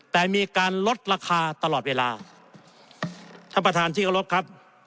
แต่มีการลดราคาตลอดเวลาท่านประธานที่เคารพครับ